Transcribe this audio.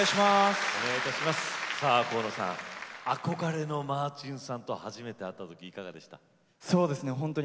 河野さん憧れの、マーチンさんと初めて会った時はいかがでしたか。